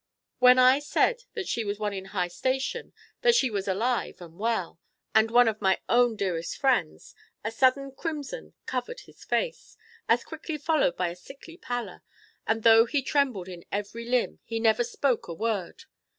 When I said that she was one in high station, that she was alive and well, and one of my own dearest friends, a sudden crimson covered his face, as quickly followed by a sickly pallor; and though he trembled in every limb, he never spoke a word.